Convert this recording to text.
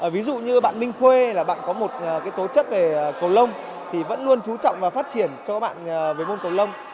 ví dụ như bạn minh khuê là bạn có một tố chất về cầu lông thì vẫn luôn trú trọng và phát triển cho các bạn về môn cầu lông